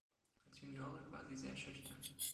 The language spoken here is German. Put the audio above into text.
Als Juniorin war sie sehr schüchtern.